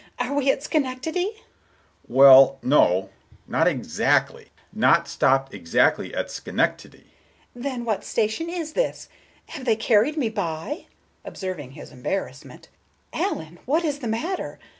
Are we at Schenectady?" Mr. Richards: "Well, no; not exactly; not stopped exactly at Schenectady"— Miss Galbraith: "Then what station is this? Have they carried me by?" Observing his embarrassment, "Allen, what is the matter?